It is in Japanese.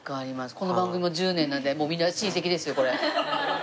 この番組も１０年なんでもうみんな親戚ですよこれ。